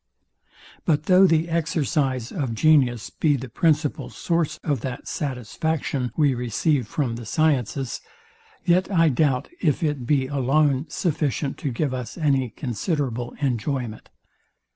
But though the exercise of genius be the principal source of that satisfaction we receive from the sciences, yet I doubt, if it be alone sufficient to give us any considerable enjoyment.